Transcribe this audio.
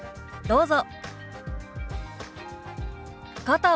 どうぞ。